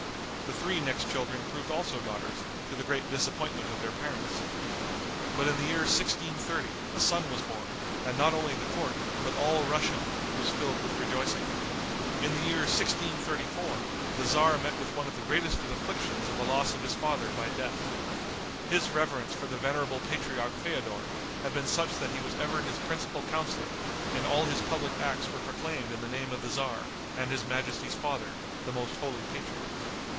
The three next children proved also daughters, to the great disappointment of their parents. But in the year 1630, a son was born, and not only the court, but all Russia, was filled with rejoicing. In the year 1634, the tzar met with one of the greatest of afflictions in the loss of his father by death. His reverence for the venerable patriarch Feodor, had been such that he was ever his principal counselor, and all his public acts were proclaimed in the name of the tzar and his majesty's father, the most holy patriarch.